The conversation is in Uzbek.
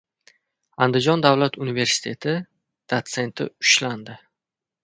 Andijon davlat universiteti dosenti ushlandi